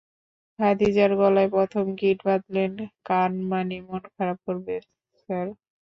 খাদিজার গলায় প্রথমে গিট বাঁধলে কানমাণি মন খারাপ করবে, স্যার।